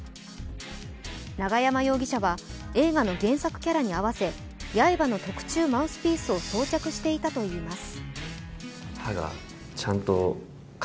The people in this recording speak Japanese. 永山容疑者は映画の原作キャラに合わせ、八重歯の特注マウスピースを装着していたといいます。